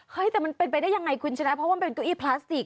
แต่มันเป็นไปได้ยังไงคุณชนะเพราะว่ามันเป็นเก้าอี้พลาสติก